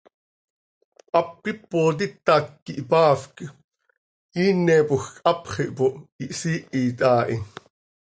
Hap ipot itac quih hpaafc, iinepoj quih hapx ihpooh, ihsiihit haa hi.